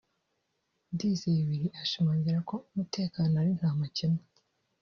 Ndizeye Willy ashimangira ko umutekano ari nta makemwa